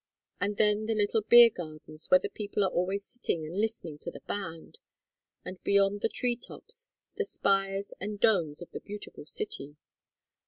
And then the little beer gardens, where the people are always sitting and listening to the band and beyond the tree tops, the spires and domes of the beautiful city.